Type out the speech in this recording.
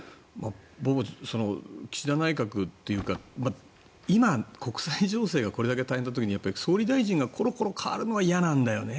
僕は岸田内閣というか今、国際情勢がこれだけ大変な時に総理大臣がコロコロ代わるのは嫌なんだよね。